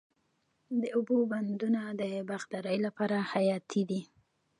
د اوبو بندونه د باغدارۍ لپاره حیاتي دي.